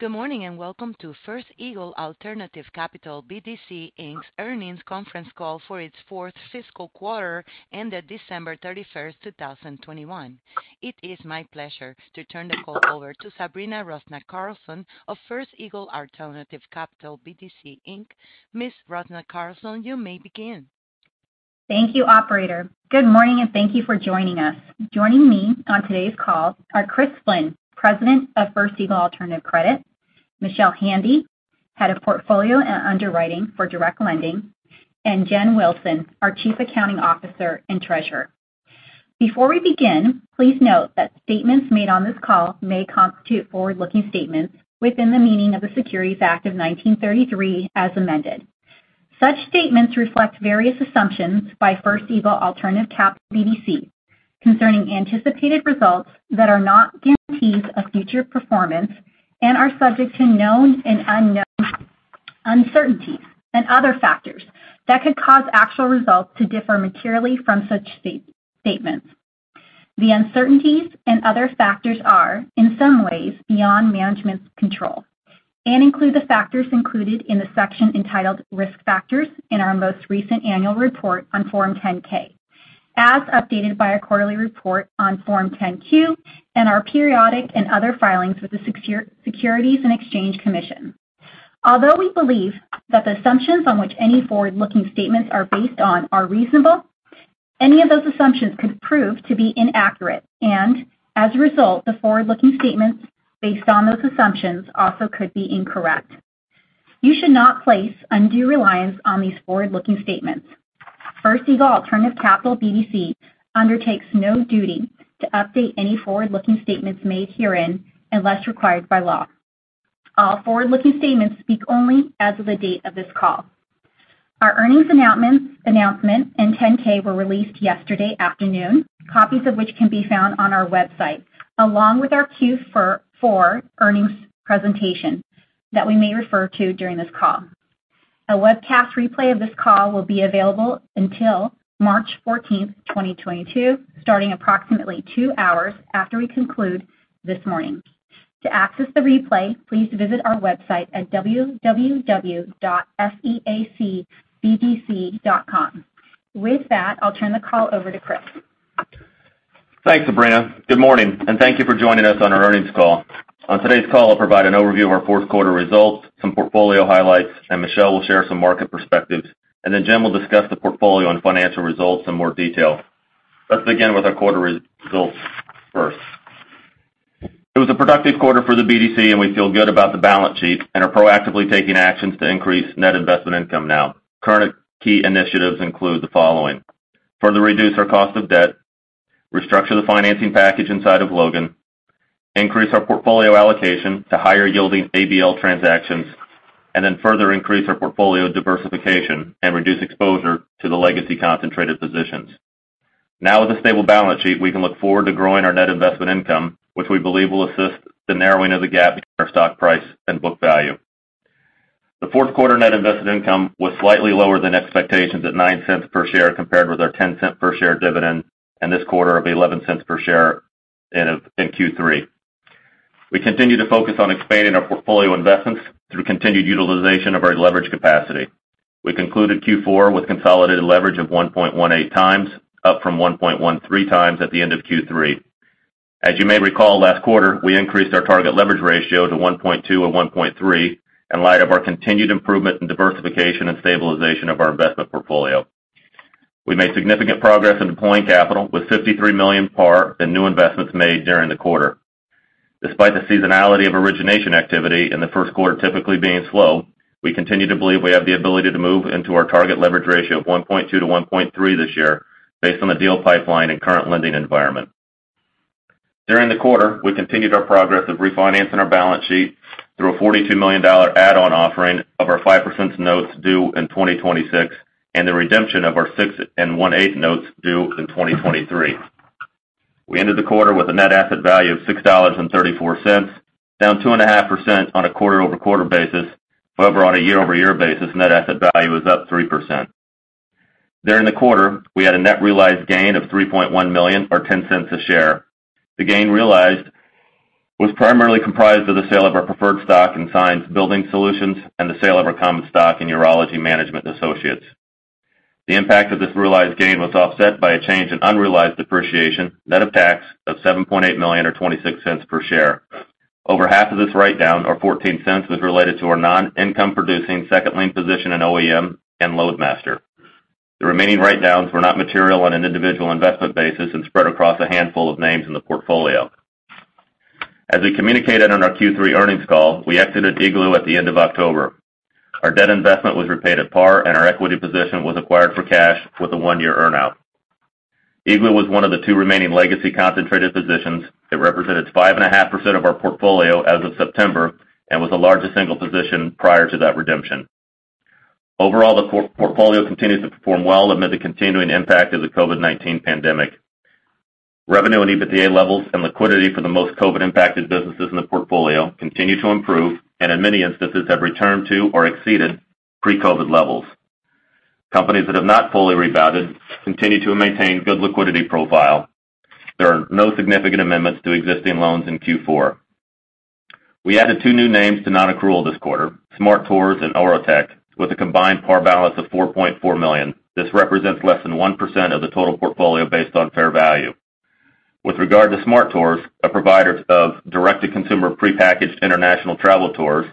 Good morning, and welcome to First Eagle Alternative Capital BDC, Inc's Earnings Conference Call for its Fourth Fiscal Quarter ended December 31st, 2021. It is my pleasure to turn the call over to Sabrina Rusnak-Carlson of First Eagle Alternative Capital BDC Inc. Ms. Rusnak-Carlson you may begin. Thank you, operator. Good morning, and thank you for joining us. Joining me on today's call are Chris Flynn, President of First Eagle Alternative Credit, Michelle Handy, Head of Portfolio and Underwriting for Direct Lending, and Jen Wilson, our Chief Accounting Officer and Treasurer. Before we begin, please note that statements made on this call may constitute forward-looking statements within the meaning of the Securities Act of 1933 as amended. Such statements reflect various assumptions by First Eagle Alternative Capital BDC concerning anticipated results that are not guarantees of future performance and are subject to known and unknown uncertainties and other factors that could cause actual results to differ materially from such statements. The uncertainties and other factors are in some ways beyond management's control and include the factors included in the section entitled Risk Factors in our most recent annual report on Form 10-K, as updated by our quarterly report on Form 10-Q and our periodic and other filings with the Securities and Exchange Commission. Although we believe that the assumptions on which any forward-looking statements are based on are reasonable, any of those assumptions could prove to be inaccurate and, as a result, the forward-looking statements based on those assumptions also could be incorrect. You should not place undue reliance on these forward-looking statements. First Eagle Alternative Capital BDC undertakes no duty to update any forward-looking statements made herein unless required by law. All forward-looking statements speak only as of the date of this call. Our earnings announcement and 10-K were released yesterday afternoon, copies of which can be found on our website, along with our Q4 earnings presentation that we may refer to during this call. A webcast replay of this call will be available until March 14th, 2022, starting approximately two hours after we conclude this morning. To access the replay, please visit our website at www.feacbdc.com. With that, I'll turn the call over to Chris. Thanks, Sabrina. Good morning, and thank you for joining us on our earnings call. On today's call, I'll provide an overview of our fourth quarter results, some portfolio highlights, and Michelle will share some market perspectives, and then Jen will discuss the portfolio and financial results in more detail. Let's begin with our quarter results first. It was a productive quarter for the BDC, and we feel good about the balance sheet and are proactively taking actions to increase net investment income now. Current key initiatives include the following. Further reduce our cost of debt, restructure the financing package inside of Logan, increase our portfolio allocation to higher-yielding ABL transactions, and then further increase our portfolio diversification and reduce exposure to the legacy concentrated positions. Now with a stable balance sheet, we can look forward to growing our net investment income, which we believe will assist the narrowing of the gap in our stock price and book value. The fourth quarter net investment income was slightly lower than expectations at $0.09 per share compared with our $0.10 per share dividend, and $0.11 per share in Q3. We continue to focus on expanding our portfolio investments through continued utilization of our leverage capacity. We concluded Q4 with consolidated leverage of 1.18x, up from 1.13x at the end of Q3. As you may recall, last quarter, we increased our target leverage ratio to 1.2 or 1.3 in light of our continued improvement in diversification and stabilization of our investment portfolio. We made significant progress in deploying capital with $53 million par in new investments made during the quarter. Despite the seasonality of origination activity in the first quarter typically being slow, we continue to believe we have the ability to move into our target leverage ratio of 1.2-1.3 this year based on the deal pipeline and current lending environment. During the quarter, we continued our progress of refinancing our balance sheet through a $42 million add-on offering of our 5% notes due in 2026 and the redemption of our 6 1/8 notes due in 2023. We ended the quarter with a net asset value of $6.34, down 2.5% on a quarter-over-quarter basis. However, on a year-over-year basis, net asset value is up 3%. During the quarter, we had a net realized gain of $3.1 million or $0.10 per share. The gain realized was primarily comprised of the sale of our preferred stock in Sciens Building Solutions and the sale of our common stock in Urology Management Associates. The impact of this realized gain was offset by a change in unrealized appreciation, net of tax of $7.8 million or $0.26 per share. Over half of this write-down or $0.14 was related to our non-income producing second lien position in OEM and Loadmaster. The remaining write-downs were not material on an individual investment basis and spread across a handful of names in the portfolio. As we communicated on our Q3 earnings call, we exited Iglu at the end of October. Our debt investment was repaid at par, and our equity position was acquired for cash with a one-year earn-out. Iglu was one of the two remaining legacy concentrated positions that represented 5.5% of our portfolio as of September and was the largest single position prior to that redemption. Overall, the portfolio continues to perform well amid the continuing impact of the COVID-19 pandemic. Revenue and EBITDA levels and liquidity for the most COVID-impacted businesses in the portfolio continue to improve and in many instances have returned to or exceeded pre-COVID levels. Companies that have not fully rebounded continue to maintain good liquidity profile. There are no significant amendments to existing loans in Q4. We added two new names to non-accrual this quarter, smarTours and Ortech, with a combined par balance of $4.4 million. This represents less than 1% of the total portfolio based on fair value. With regard to smarTours, a provider of direct-to-consumer prepackaged international travel tours,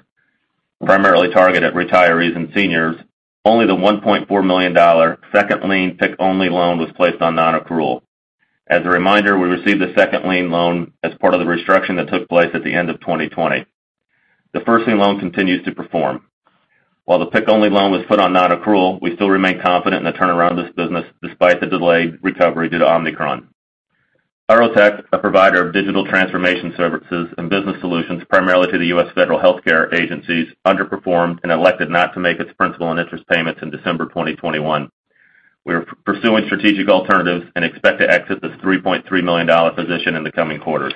primarily targeted at retirees and seniors, only the $1.4 million second lien PIK-only loan was placed on non-accrual. As a reminder, we received the second lien loan as part of the restructuring that took place at the end of 2020. The first lien loan continues to perform. While the PIK-only loan was put on non-accrual, we still remain confident in the turnaround of this business despite the delayed recovery due to Omicron. Ortech, a provider of digital transformation services and business solutions primarily to the U.S. federal healthcare agencies, underperformed and elected not to make its principal and interest payments in December 2021. We are pursuing strategic alternatives and expect to exit this $3.3 million position in the coming quarters.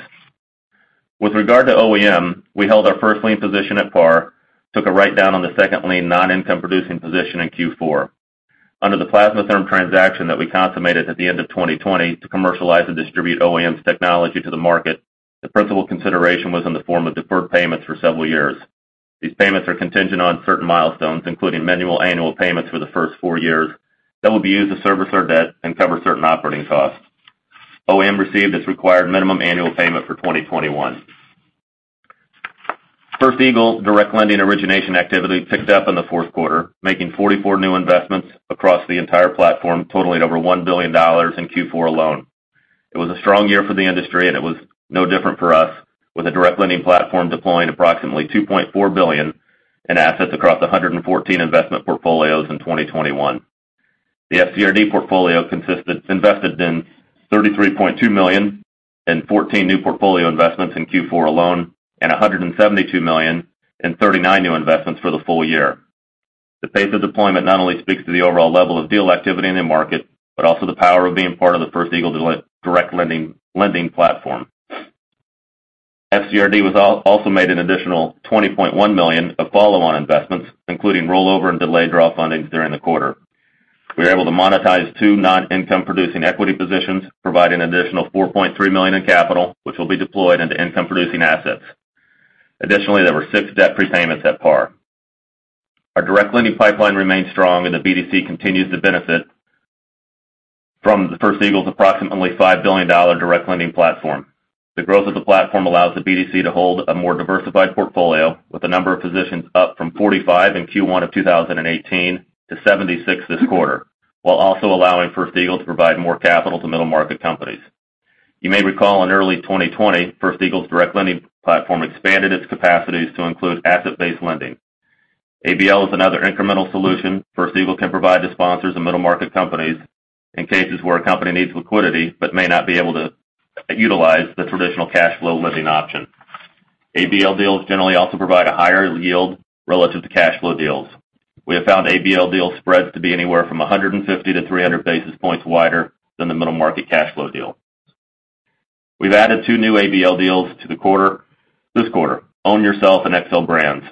With regard to OEM, we held our first lien position at par, took a write-down on the second lien non-income producing position in Q4. Under the Plasma-Therm transaction that we consummated at the end of 2020 to commercialize and distribute OEM's technology to the market, the principal consideration was in the form of deferred payments for several years. These payments are contingent on certain milestones, including minimum annual payments for the first four years that will be used to service our debt and cover certain operating costs. OEM received its required minimum annual payment for 2021. First Eagle direct lending origination activity picked up in the fourth quarter, making 44 new investments across the entire platform, totaling over $1 billion in Q4 alone. It was a strong year for the industry, and it was no different for us, with the direct lending platform deploying approximately $2.4 billion in assets across 114 investment portfolios in 2021. The FCRD portfolio invested in $33.2 million in 14 new portfolio investments in Q4 alone and $172 million in 39 new investments for the full year. The pace of deployment not only speaks to the overall level of deal activity in the market, but also the power of being part of the First Eagle direct lending platform. FCRD was also made an additional $20.1 million of follow-on investments, including rollover and delayed draw fundings during the quarter. We were able to monetize two non-income producing equity positions, providing an additional $4.3 million in capital, which will be deployed into income-producing assets. Additionally, there were six debt prepayments at par. Our direct lending pipeline remains strong, and the BDC continues to benefit from the First Eagle's approximately $5 billion direct lending platform. The growth of the platform allows the BDC to hold a more diversified portfolio with a number of positions up from 45 in Q1 of 2018 to 76 this quarter, while also allowing First Eagle to provide more capital to middle market companies. You may recall in early 2020, First Eagle's direct lending platform expanded its capacities to include asset-based lending. ABL is another incremental solution First Eagle can provide to sponsors of middle market companies in cases where a company needs liquidity but may not be able to utilize the traditional cash flow lending option. ABL deals generally also provide a higher yield relative to cash flow deals. We have found ABL deal spreads to be anywhere from 150 to 300 basis points wider than the middle market cash flow deal. We've added two new ABL deals to the quarter, this quarter, Own Yourself and Xcel Brands.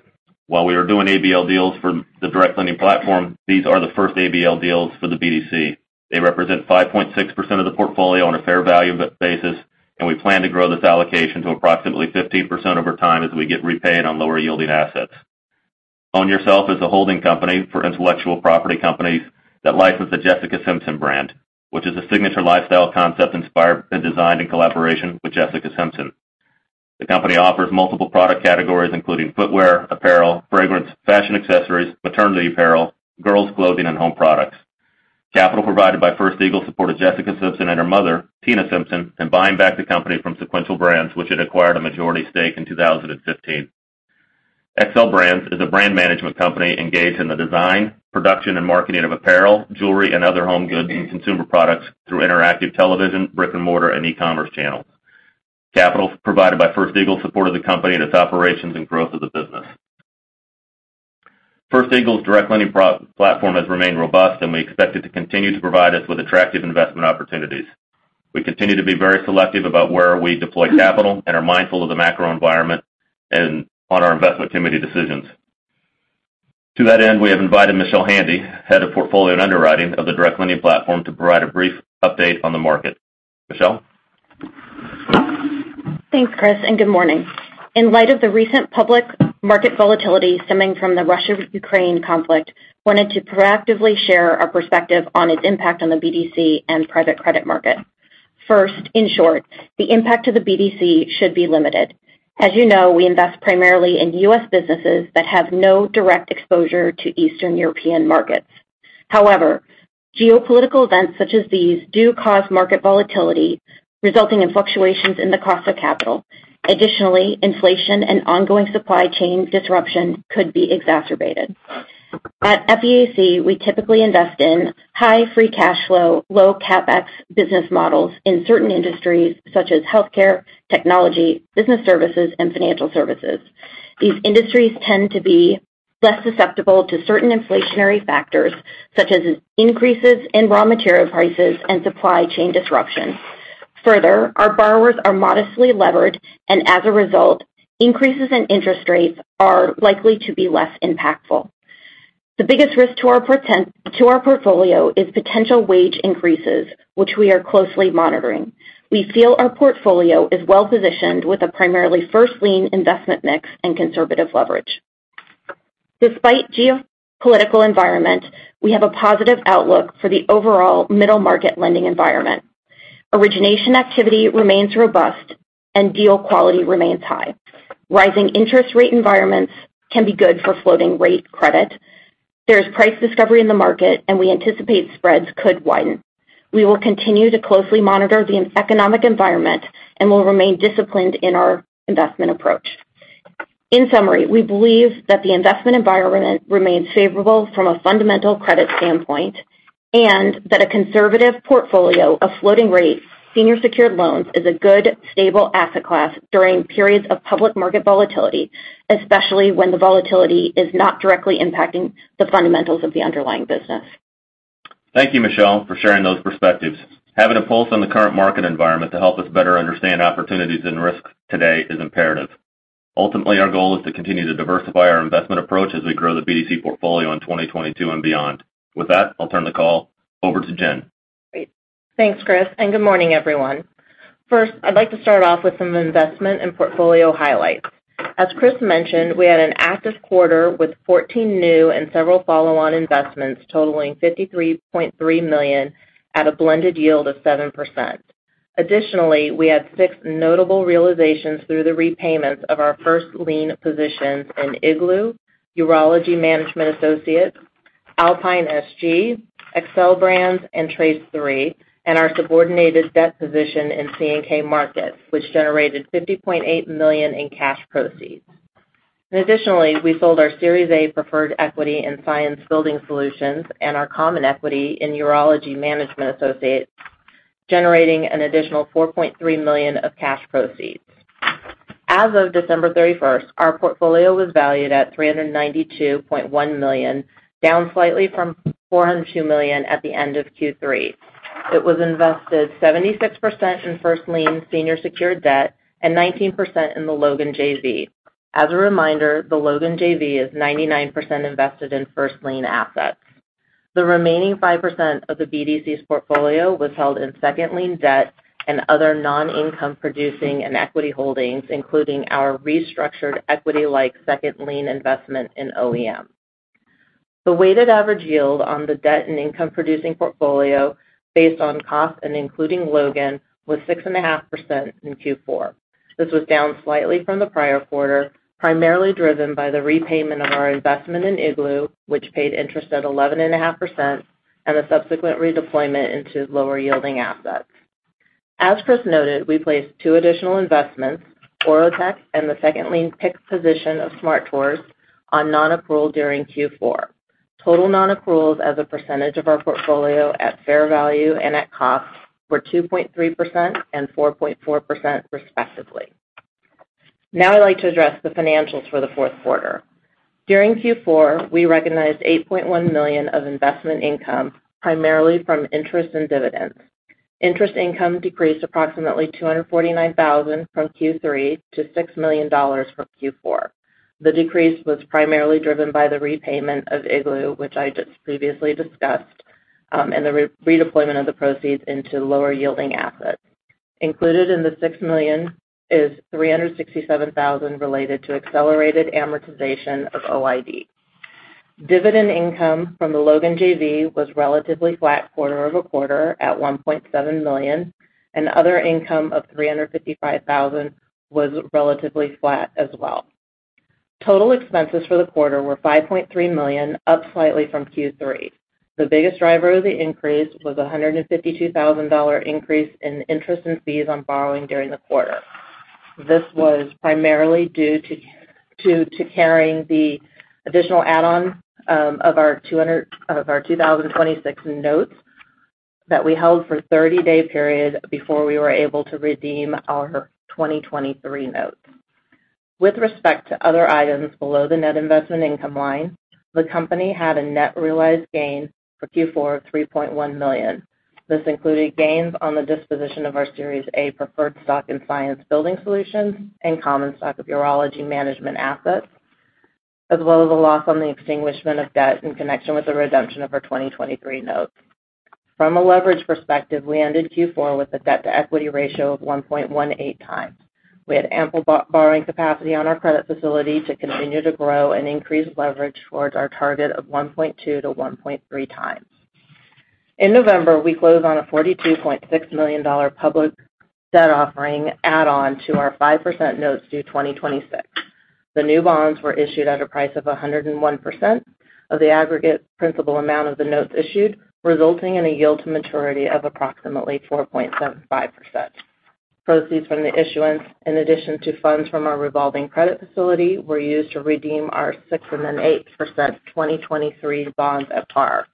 While we are doing ABL deals for the direct lending platform, these are the first ABL deals for the BDC. They represent 5.6% of the portfolio on a fair value basis, and we plan to grow this allocation to approximately 15% over time as we get repaid on lower yielding assets. Own Yourself is a holding company for intellectual property companies that license the Jessica Simpson brand, which is a signature lifestyle concept inspired and designed in collaboration with Jessica Simpson. The company offers multiple product categories, including footwear, apparel, fragrance, fashion accessories, maternity apparel, girls clothing, and home products. Capital provided by First Eagle supported Jessica Simpson and her mother, Tina Simpson, in buying back the company from Sequential Brands, which had acquired a majority stake in 2015. Xcel Brands is a brand management company engaged in the design, production, and marketing of apparel, jewelry, and other home goods and consumer products through interactive television, brick-and-mortar, and e-commerce channels. Capital provided by First Eagle supported the company in its operations and growth of the business. First Eagle's direct lending platform has remained robust, and we expect it to continue to provide us with attractive investment opportunities. We continue to be very selective about where we deploy capital and are mindful of the macro environment and on our investment committee decisions. To that end, we have invited Michelle Handy, Head of Portfolio and Underwriting of the direct lending platform, to provide a brief update on the market. Michelle? Thanks, Chris, and good morning. In light of the recent public market volatility stemming from the Russia-Ukraine conflict, I wanted to proactively share our perspective on its impact on the BDC and private credit market. First, in short, the impact to the BDC should be limited. As you know, we invest primarily in U.S. businesses that have no direct exposure to Eastern European markets. However, geopolitical events such as these do cause market volatility, resulting in fluctuations in the cost of capital. Additionally, inflation and ongoing supply chain disruption could be exacerbated. At FEAC, we typically invest in high free cash flow, low CapEx business models in certain industries such as healthcare, technology, business services, and financial services. These industries tend to be less susceptible to certain inflationary factors, such as increases in raw material prices and supply chain disruption. Further, our borrowers are modestly levered, and as a result, increases in interest rates are likely to be less impactful. The biggest risk to our portfolio is potential wage increases, which we are closely monitoring. We feel our portfolio is well-positioned with a primarily first lien investment mix and conservative leverage. Despite geopolitical environment, we have a positive outlook for the overall middle market lending environment. Origination activity remains robust, and deal quality remains high. Rising interest rate environments can be good for floating rate credit. There's price discovery in the market, and we anticipate spreads could widen. We will continue to closely monitor the economic environment and will remain disciplined in our investment approach. In summary, we believe that the investment environment remains favorable from a fundamental credit standpoint, and that a conservative portfolio of floating rate senior secured loans is a good, stable asset class during periods of public market volatility, especially when the volatility is not directly impacting the fundamentals of the underlying business. Thank you, Michelle, for sharing those perspectives. Having a pulse on the current market environment to help us better understand opportunities and risks today is imperative. Ultimately, our goal is to continue to diversify our investment approach as we grow the BDC portfolio in 2022 and beyond. With that, I'll turn the call over to Jen. Great. Thanks, Chris, and good morning, everyone. First, I'd like to start off with some investment and portfolio highlights. As Chris mentioned, we had an active quarter with 14 new and several follow-on investments totaling $53.3 million at a blended yield of 7%. Additionally, we had six notable realizations through the repayments of our first lien positions in Iglu, Urology Management Associates, Alpine SG, Xcel Brands, and Trace3, and our subordinated debt position in C&K Markets, which generated $50.8 million in cash proceeds. Additionally, we sold our Series A preferred equity in Sciens Building Solutions and our common equity in Urology Management Associates, generating an additional $4.3 million of cash proceeds. As of December 31st, our portfolio was valued at $392.1 million, down slightly from $402 million at the end of Q3. It was invested 76% in first lien senior secured debt and 19% in the Logan JV. As a reminder, the Logan JV is 99% invested in first lien assets. The remaining 5% of the BDC's portfolio was held in second lien debt and other non-income producing and equity holdings, including our restructured equity-like second lien investment in OEM. The weighted average yield on the debt and income-producing portfolio based on cost and including Logan was 6.5% in Q4. This was down slightly from the prior quarter, primarily driven by the repayment of our investment in Iglu, which paid interest at 11.5%, and the subsequent redeployment into lower-yielding assets. As Chris noted, we placed two additional investments, Ortech and the second lien PIK position of smarTours, on non-accrual during Q4. Total non-accruals as a percentage of our portfolio at fair value and at cost were 2.3% and 4.4% respectively. Now I'd like to address the financials for the fourth quarter. During Q4, we recognized $8.1 million of investment income, primarily from interest and dividends. Interest income decreased approximately $249,000 from Q3 to $6 million for Q4. The decrease was primarily driven by the repayment of Iglu, which I just previously discussed, and the redeployment of the proceeds into lower-yielding assets. Included in the $6 million is $367,000 related to accelerated amortization of OID. Dividend income from the Logan JV was relatively flat quarter over quarter at $1.7 million, and other income of $355,000 was relatively flat as well. Total expenses for the quarter were $5.3 million, up slightly from Q3. The biggest driver of the increase was a $152,000 increase in interest and fees on borrowing during the quarter. This was primarily due to carrying the additional add-on of our 2026 notes that we held for a 30-day period before we were able to redeem our 2023 notes. With respect to other items below the net investment income line, the company had a net realized gain for Q4 of $3.1 million. This included gains on the disposition of our Series A preferred stock in Sciens Building Solutions and common stock of Urology Management Associates, as well as a loss on the extinguishment of debt in connection with the redemption of our 2023 notes. From a leverage perspective, we ended Q4 with a debt-to-equity ratio of 1.18x. We had ample borrowing capacity on our credit facility to continue to grow and increase leverage towards our target of 1.2-1.3x. In November, we closed on a $42.6 million public debt offering add-on to our 5% notes due 2026. The new bonds were issued at a price of 101% of the aggregate principal amount of the notes issued, resulting in a yield to maturity of approximately 4.75%. Proceeds from the issuance, in addition to funds from our revolving credit facility, were used to redeem our 6% and 8% 2023 bonds at par.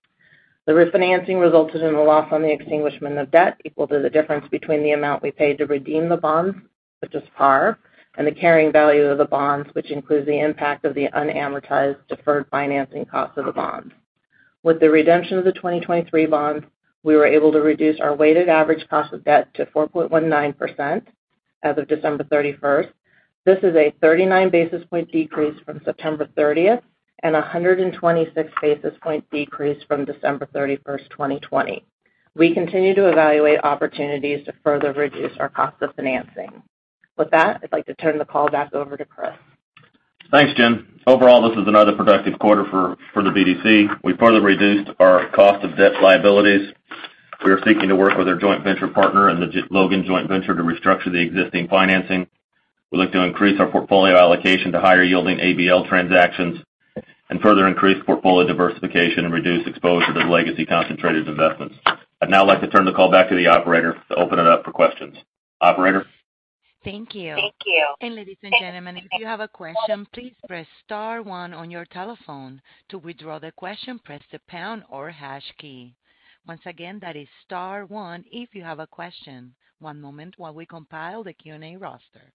The refinancing resulted in a loss on the extinguishment of debt equal to the difference between the amount we paid to redeem the bonds, which is par, and the carrying value of the bonds, which includes the impact of the unamortized deferred financing cost of the bonds. With the redemption of the 2023 bonds, we were able to reduce our weighted average cost of debt to 4.19% as of December 31st. This is a 39 basis point decrease from September 30 and a 126 basis point decrease from December 31st, 2020. We continue to evaluate opportunities to further reduce our cost of financing. With that, I'd like to turn the call back over to Chris. Thanks, Jen. Overall, this is another productive quarter for the BDC. We further reduced our cost of debt liabilities. We are seeking to work with our joint venture partner in the Logan JV to restructure the existing financing. We look to increase our portfolio allocation to higher yielding ABL transactions and further increase portfolio diversification and reduce exposure to legacy concentrated investments. I'd now like to turn the call back to the operator to open it up for questions. Operator? Thank you. Ladies and gentlemen, if you have a question, please press star one on your telephone. To withdraw the question, press the pound or hash key. Once again, that is star one if you have a question. One moment while we compile the Q&A roster.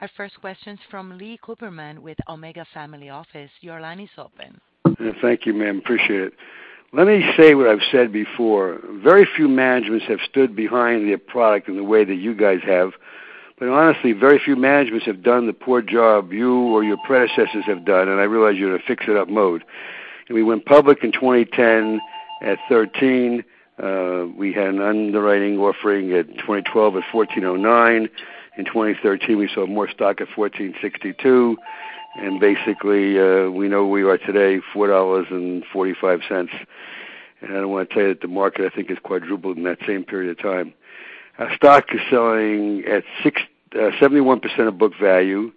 Our first question's from Lee Cooperman with Omega Family Office. Your line is open. Thank you, ma'am. Appreciate it. Let me say what I've said before. Very few managements have stood behind their product in the way that you guys have. But honestly, very few managements have done the poor job you or your predecessors have done, and I realize you're in a fix it up mode. We went public in 2010 at $13. We had an underwriting offering at 2012 at $14.09. In 2013, we sold more stock at $14.62. Basically, we know where we are today, $4.45. I don't wanna tell you that the market, I think, has quadrupled in that same period of time. Our stock is selling at 71% of book value,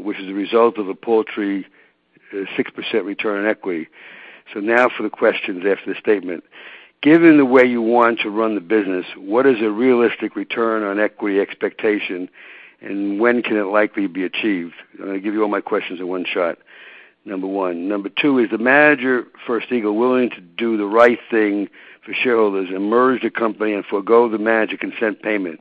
which is a result of a paltry 6% return on equity. Now for the questions after the statement. Given the way you want to run the business, what is a realistic return on equity expectation, and when can it likely be achieved? I'm gonna give you all my questions in one shot, number one. Number two, is the manager for Eagle willing to do the right thing for shareholders and merge the company and forego the management consent payment?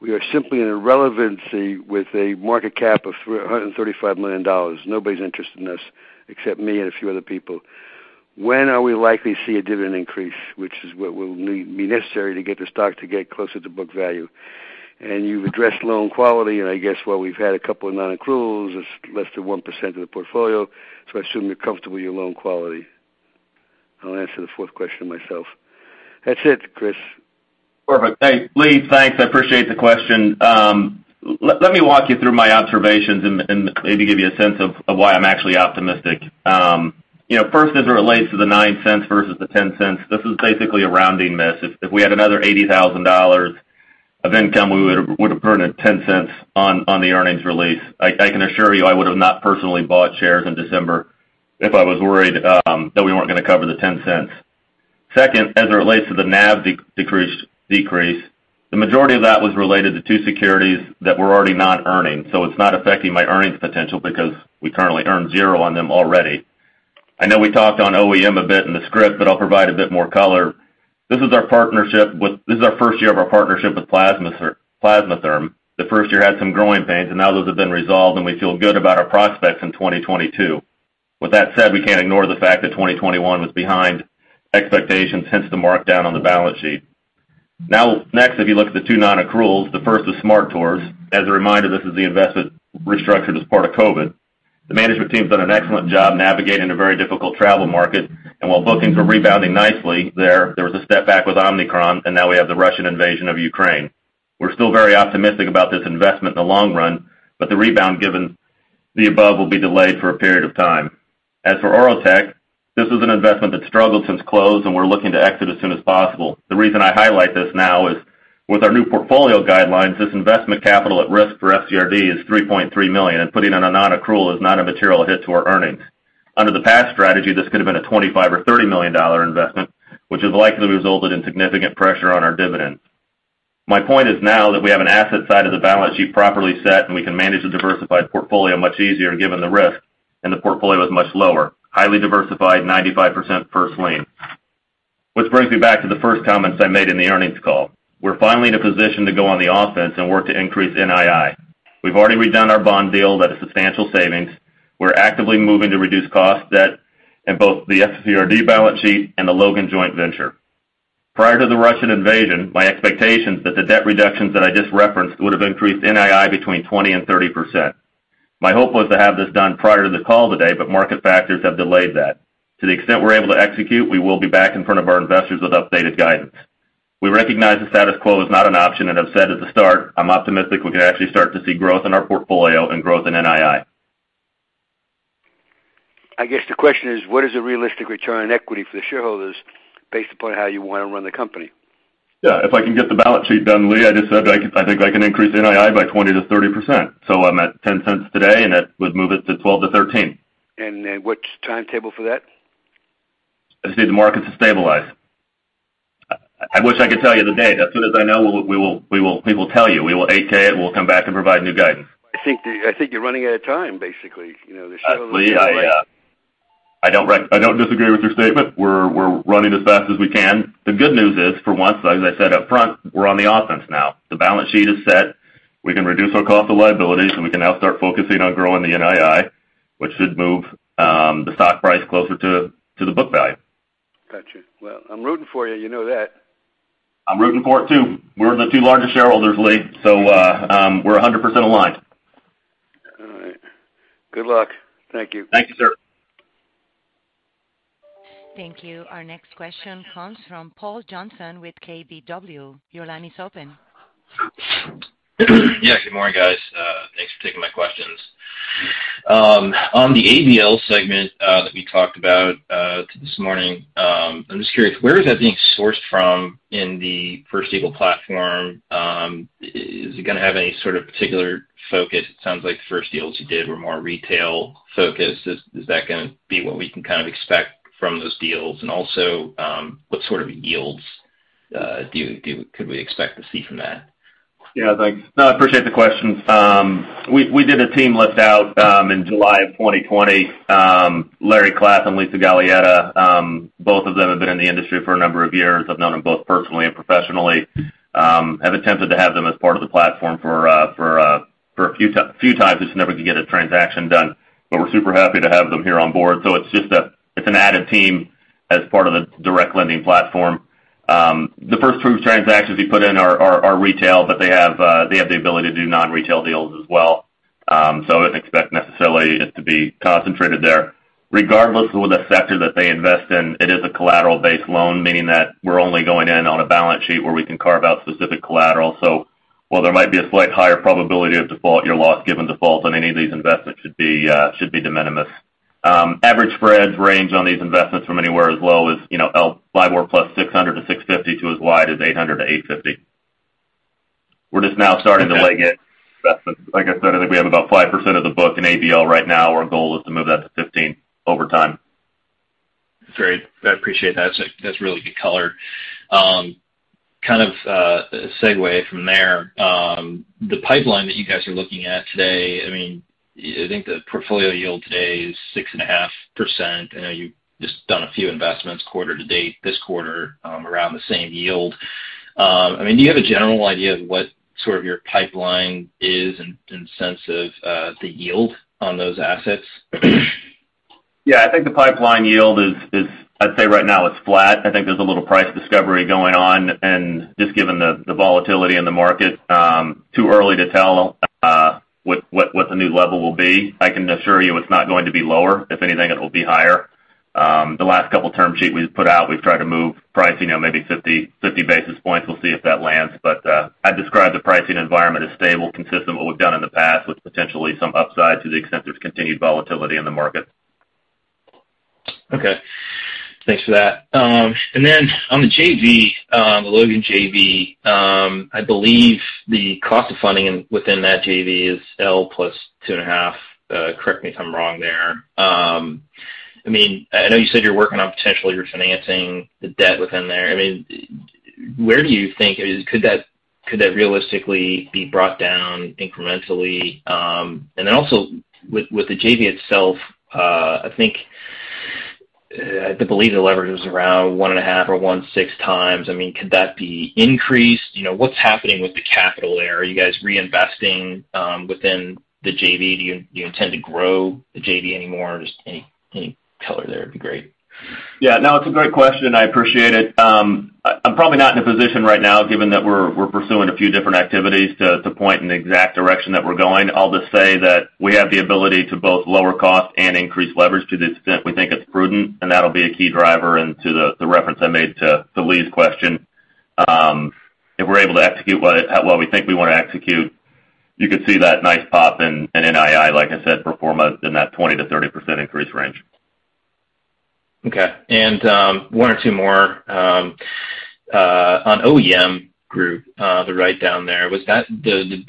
We are simply irrelevant with a market cap of $335 million. Nobody's interested in us except me and a few other people. When are we likely to see a dividend increase, which is what will be necessary to get the stock to get closer to book value? You've addressed loan quality, and I guess, well, we've had a couple of non-accruals. It's less than 1% of the portfolio. I assume you're comfortable with your loan quality. I'll answer the fourth question myself. That's it, Chris. Perfect. Thanks, Lee. Thanks. I appreciate the question. Let me walk you through my observations and maybe give you a sense of why I'm actually optimistic. You know, first, as it relates to the $0.09 versus the $0.10, this is basically a rounding miss. If we had another $80,000 of income, we would've earned a $0.10 on the earnings release. I can assure you, I would have not personally bought shares in December if I was worried that we weren't gonna cover the $0.10. Second, as it relates to the NAV decrease, the majority of that was related to two securities that were already not earning. So it's not affecting my earnings potential because we currently earn zero on them already. I know we talked on OEM a bit in the script, but I'll provide a bit more color. This is our first year of our partnership with Plasma-Therm. The first year had some growing pains, and now those have been resolved, and we feel good about our prospects in 2022. With that said, we can't ignore the fact that 2021 was behind expectations, hence the markdown on the balance sheet. Now, next, if you look at the two non-accruals, the first is smarTours. As a reminder, this is the investment restructured as part of COVID. The management team's done an excellent job navigating a very difficult travel market. While bookings are rebounding nicely there was a step back with Omicron, and now we have the Russian invasion of Ukraine. We're still very optimistic about this investment in the long run, but the rebound, given the above, will be delayed for a period of time. As for Ortech, this is an investment that struggled since close, and we're looking to exit as soon as possible. The reason I highlight this now is with our new portfolio guidelines, this investment capital at risk for FCRD is $3.3 million, and putting on a non-accrual is not a material hit to our earnings. Under the past strategy, this could have been a $25 million or $30 million investment, which has likely resulted in significant pressure on our dividend. My point is now that we have an asset side of the balance sheet properly set, and we can manage the diversified portfolio much easier given the risk, and the portfolio is much lower, highly diversified, 95% first lien. Which brings me back to the first comments I made in the earnings call. We're finally in a position to go on the offense and work to increase NII. We've already redone our bond deal at a substantial savings. We're actively moving to reduce cost debt in both the FCRD balance sheet and the Logan joint venture. Prior to the Russian invasion, my expectation is that the debt reductions that I just referenced would have increased NII between 20% and 30%. My hope was to have this done prior to the call today, but market factors have delayed that. To the extent we're able to execute, we will be back in front of our investors with updated guidance. We recognize the status quo is not an option, and I've said at the start, I'm optimistic we can actually start to see growth in our portfolio and growth in NII. I guess the question is, what is a realistic return on equity for the shareholders based upon how you wanna run the company? Yeah. If I can get the balance sheet done, Lee, I just said I think I can increase NII by 20%-30%. I'm at $0.10 today, and that would move it to $0.12-$0.13. Which timetable for that? I just need the market to stabilize. I wish I could tell you the date. As soon as I know, we will tell you. We will 8-K it. We'll come back and provide new guidance. I think you're running out of time, basically. You know, the shareholders. I don't disagree with your statement. We're running as fast as we can. The good news is, for once, as I said up front, we're on the offense now. The balance sheet is set. We can reduce our cost of liability, so we can now start focusing on growing the NII, which should move the stock price closer to the book value. Got you. Well, I'm rooting for you know that. I'm rooting for it too. We're the two largest shareholders, Lee. We're 100% aligned. All right. Good luck. Thank you. Thank you, sir. Thank you. Our next question comes from Paul Johnson with KBW. Your line is open. Yeah. Good morning, guys. Thanks for taking my questions. On the ABL segment that we talked about this morning, I'm just curious, where is that being sourced from in the First Eagle platform? Is it gonna have any sort of particular focus? It sounds like the first deals you did were more retail-focused. Is that gonna be what we can kind of expect from those deals? Also, what sort of yields could we expect to see from that? Yeah, thanks. No, I appreciate the questions. We did a team list out in July 2020. Larry Klaff and Lisa Galeota both of them have been in the industry for a number of years. I've known them both personally and professionally. I've attempted to have them as part of the platform for a few times. I just never could get a transaction done. We're super happy to have them here on board. It's just an added team as part of the direct lending platform. The first two transactions we put in are retail, but they have the ability to do non-retail deals as well. I wouldn't expect necessarily it to be concentrated there. Regardless of the sector that they invest in, it is a collateral-based loan, meaning that we're only going in on a balance sheet where we can carve out specific collateral. While there might be a slight higher probability of default, your loss given default on any of these investments should be de minimis. Average spreads range on these investments from anywhere as low as, you know, LIBOR plus 600-650 to as wide as 800-850. We're just now starting to leg in. Like I said, I think we have about 5% of the book in ABL right now. Our goal is to move that to 15% over time. Great. I appreciate that. That's really good color. Kind of a segue from there, the pipeline that you guys are looking at today, I mean, I think the portfolio yield today is 6.5%. I know you've just done a few investments quarter-to-date this quarter, around the same yield. I mean, do you have a general idea of what sort of your pipeline is in sense of the yield on those assets? Yeah. I think the pipeline yield is. I'd say right now it's flat. I think there's a little price discovery going on, and just given the volatility in the market, too early to tell what the new level will be. I can assure you it's not going to be lower. If anything, it will be higher. The last couple term sheet we've put out, we've tried to move pricing on maybe 50 basis points. We'll see if that lands. I describe the pricing environment as stable, consistent with what we've done in the past, with potentially some upside to the extent there's continued volatility in the market. Okay. Thanks for that. And then on the JV, the Logan JV, I believe the cost of funding within that JV is L plus 2.5. Correct me if I'm wrong there. I mean, I know you said you're working on potentially refinancing the debt within there. I mean, where do you think is... Could that realistically be brought down incrementally? And then also with the JV itself, I think I believe the leverage was around 1.5 or 1.6x. I mean, could that be increased? You know, what's happening with the capital there? Are you guys reinvesting within the JV? Do you intend to grow the JV any more? Just any color there would be great. Yeah, no, it's a great question. I appreciate it. I'm probably not in a position right now, given that we're pursuing a few different activities to point in the exact direction that we're going. I'll just say that we have the ability to both lower cost and increase leverage to the extent we think it's prudent, and that'll be a key driver into the reference I made to Lee's question. If we're able to execute what we think we wanna execute, you could see that nice pop in NII, like I said, in that 20%-30% increase range. Okay. One or two more. On OEM Group, the write-down there, was that the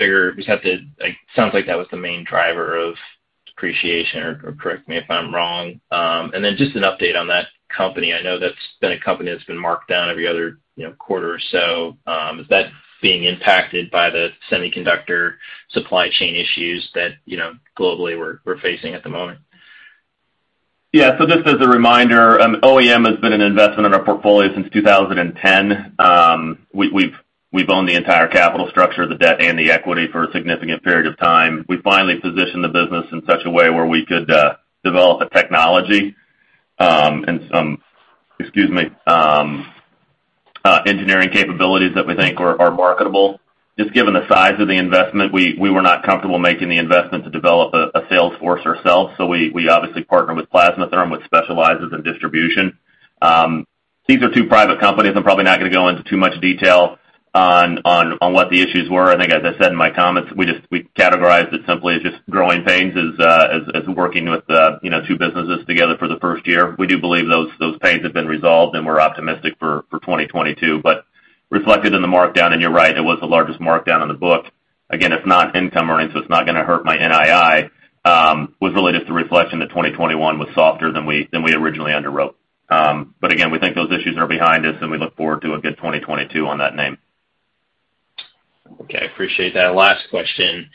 main driver of depreciation, or correct me if I'm wrong. Just an update on that company. I know that's been a company that's been marked down every other, you know, quarter or so. Is that being impacted by the semiconductor supply chain issues that, you know, globally we're facing at the moment? Yeah. Just as a reminder, OEM has been an investment in our portfolio since 2010. We've owned the entire capital structure, the debt and the equity, for a significant period of time. We finally positioned the business in such a way where we could develop a technology and some engineering capabilities that we think are marketable. Just given the size of the investment, we were not comfortable making the investment to develop a sales force ourselves, so we obviously partnered with Plasma-Therm, which specializes in distribution. These are two private companies. I'm probably not gonna go into too much detail on what the issues were. I think as I said in my comments, we categorized it simply as just growing pains as working with, you know, two businesses together for the first year. We do believe those pains have been resolved, and we're optimistic for 2022. Reflected in the markdown, and you're right, it was the largest markdown on the book. Again, it's not income earning, so it's not gonna hurt my NII. It was really just a reflection that 2021 was softer than we originally underwrote. Again, we think those issues are behind us, and we look forward to a good 2022 on that name. Okay. I appreciate that. Last question.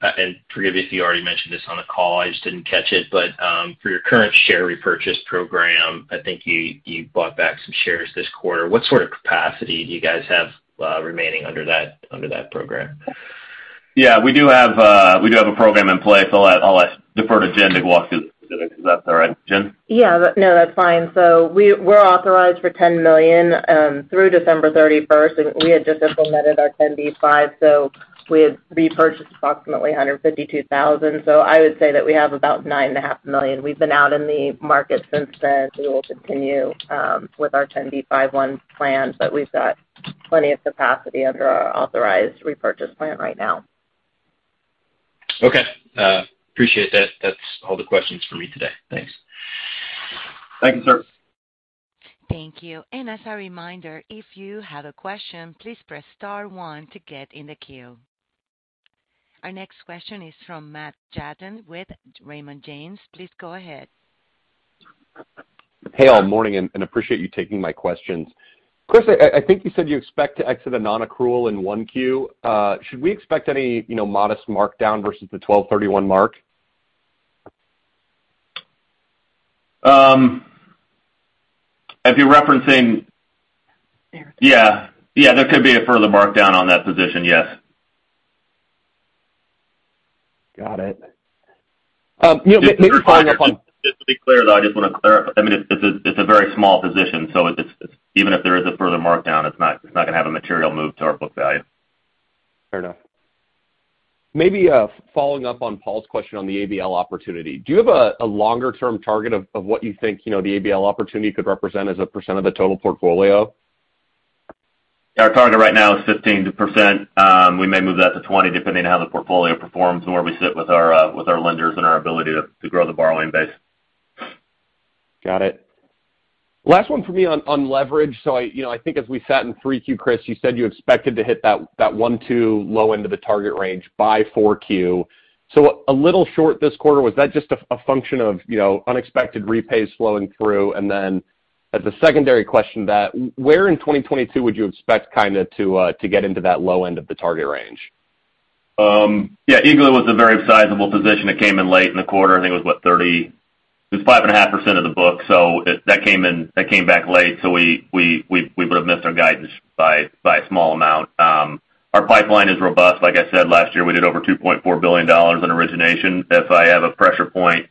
And forgive me if you already mentioned this on the call, I just didn't catch it. But, for your current share repurchase program, I think you bought back some shares this quarter. What sort of capacity do you guys have remaining under that program? Yeah. We do have a program in place. I'll defer to Jen to walk through the specifics if that's all right. Jen? Yeah. No, that's fine. We're authorized for $10 million through December 31st. We had just implemented our 10b5-1, so we had repurchased approximately 152,000. I would say that we have about $9.5 million. We've been out in the market since then. We will continue with our 10b5-1 plan, but we've got plenty of capacity under our authorized repurchase plan right now. Okay. Appreciate that. That's all the questions for me today. Thanks. Thank you, sir. Thank you. As a reminder, if you have a question, please press star one to get in the queue. Our next question is from Matt Tjaden with Raymond James. Please go ahead. Hey, all. Morning, and appreciate you taking my questions. Chris, I think you said you expect to exit a non-accrual in 1Q. Should we expect any, you know, modest markdown versus the 12/31 mark? If you're referencing. There. Yeah. Yeah, there could be a further markdown on that position, yes. Got it. You know, maybe following up on Just to be clear, though, I just want to, I mean, it's a very small position, so it's, even if there is a further markdown, it's not gonna have a material move to our book value. Fair enough. Maybe following up on Paul's question on the ABL opportunity. Do you have a longer-term target of what you think, you know, the ABL opportunity could represent as a % of the total portfolio? Our target right now is 15%. We may move that to 20% depending on how the portfolio performs and where we sit with our lenders and our ability to grow the borrowing base. Got it. Last one for me on leverage. I think as we said in 3Q, Chris, you said you expected to hit that 1.2 low end of the target range by 4Q. A little short this quarter, was that just a function of unexpected repays flowing through? And then as a secondary question, where in 2022 would you expect kinda to get into that low end of the target range? Yeah, Eagle was a very sizable position that came in late in the quarter. I think it was 5.5% of the book. That came back late, so we would have missed our guidance by a small amount. Our pipeline is robust. Like I said, last year, we did over $2.4 billion in origination. If I have a pressure point,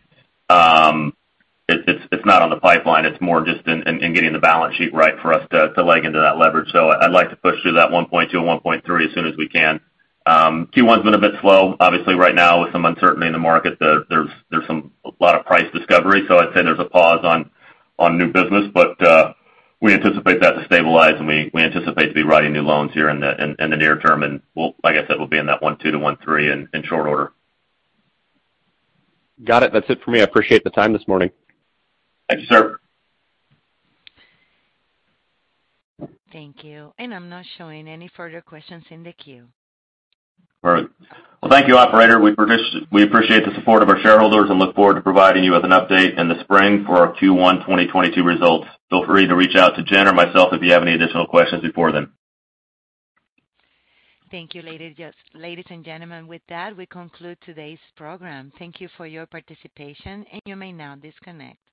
it's not on the pipeline. It's more just in getting the balance sheet right for us to leg into that leverage. So I'd like to push through that 1.2 and 1.3 as soon as we can. Q1's been a bit slow. Obviously, right now with some uncertainty in the market, there's a lot of price discovery. I'd say there's a pause on new business. We anticipate that to stabilize, and we anticipate to be writing new loans here in the near term. Like I said, we'll be in that 1.2-1.3 in short order. Got it. That's it for me. I appreciate the time this morning. Thank you, sir. Thank you. I'm not showing any further questions in the queue. All right. Well, thank you, operator. We appreciate the support of our shareholders and look forward to providing you with an update in the spring for our Q1 2022 results. Feel free to reach out to Jen or myself if you have any additional questions before then. Thank you, ladies, yes, ladies and gentlemen. With that, we conclude today's program. Thank you for your participation, and you may now disconnect.